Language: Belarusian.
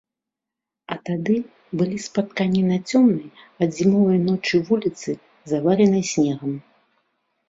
А тады былі спатканні на цёмнай ад зімовай ночы вуліцы, заваленай снегам.